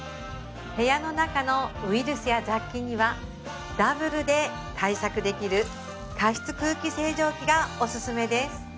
部屋の中のウイルスや雑菌にはダブルで対策できるがおすすめです